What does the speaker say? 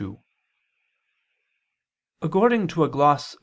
2: According to a gloss [*Cf.